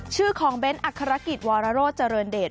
ชื่อของเบ้นอักษรกิจวรโรเจริญเดช